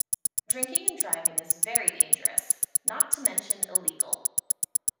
Drinking and driving Is very dangerous, not to mention illegal.